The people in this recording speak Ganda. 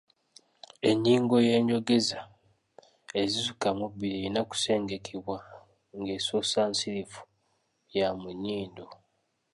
Ennyingo ey’enjogeza ezisukka mu bbiri erina kusengekebwa ng’esoosa nsirifu ya mu nnyindo.